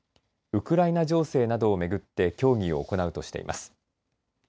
ウクライナ情勢などをめぐって協議を行うとしています。